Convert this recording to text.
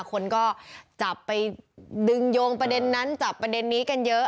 คนก็จับไปดึงโยงประเด็นนั้นจับประเด็นนี้กันเยอะ